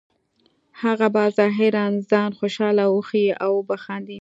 هغه به ظاهراً ځان خوشحاله وښیې او وبه خاندي